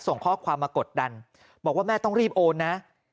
ส่งข้อความมากดดันบอกว่าแม่ต้องรีบโอนนะ